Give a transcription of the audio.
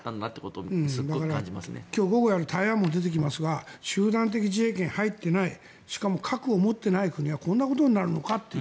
だから、今日午後やる台湾も出てきますが集団的自衛権に入っていないしかも核を持っていない国はこんなことになるのかと。